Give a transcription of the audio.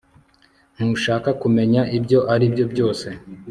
ntushaka kumenya ibyo aribyo byose